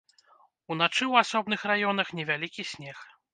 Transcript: Уначы ў асобных раёнах невялікі снег.